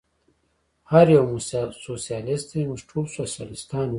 هر یو مو سوسیالیست دی، موږ تل سوسیالیستان و.